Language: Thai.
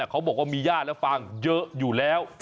เขาบอกว่ามีญาติและฟังเยอะอยู่แล้ว